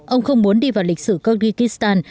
ông không muốn đi vào lịch sử kyrgyzstan